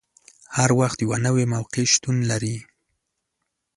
هر وخت یوه نوې موقع شتون لري.